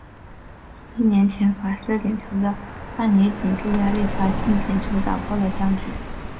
一年前罚失点球的范尼顶住压力罚进点球打破了僵局。